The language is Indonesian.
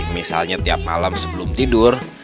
misalnya tiap malam sebelum tidur